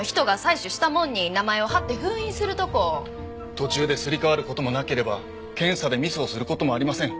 途中ですり替わる事もなければ検査でミスをする事もありません。